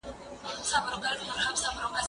زه پرون ليکنه کوم!؟